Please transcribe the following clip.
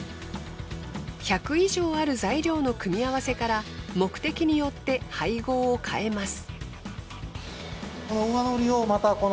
１００以上ある材料の組み合わせから目的によって配合を変えます。